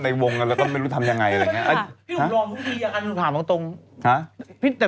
ในวงเราต้องไม่รู้ทำยังไงอะไรอย่างนี้